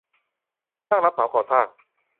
ช่างรับเหมาก่อสร้าง